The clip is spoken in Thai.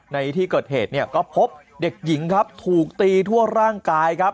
ในที่เกิดเหตุก็พบเด็กหญิงถูกตีทั่วร่างกาย